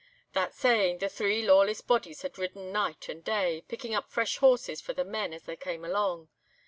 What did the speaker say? "That's sayin' the three Lawless bodies had ridden night and day—picking up fresh horses for the men, as they came along.